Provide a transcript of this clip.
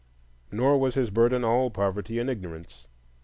Nor was his burden all poverty and ignorance.